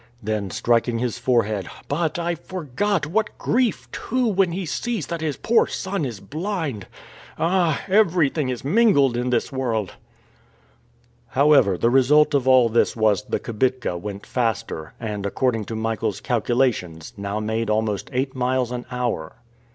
Then, striking his forehead: "But, I forgot, what grief too when he sees that his poor son is blind! Ah! everything is mingled in this world!" However, the result of all this was the kibitka went faster, and, according to Michael's calculations, now made almost eight miles an hour.